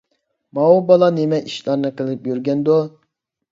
ماۋۇ بالا نېمە ئىشلارنى قىلىپ يۈرگەندۇ؟